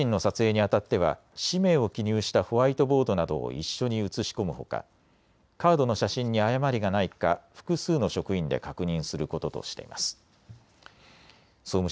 また顔写真の撮影にあたっては氏名を記入したホワイトボードなどを一緒に写し込むほかカードの写真に誤りがないか複数の職員で確認することとしています。